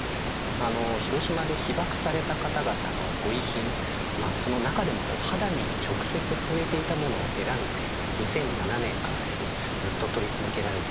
あの広島で被爆された方々のご遺品まあその中でも肌身に直接触れていたものを選んで２００７年からですねずっと撮り続けられています。